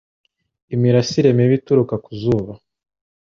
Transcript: Imirasire mibi ituruka ku zuba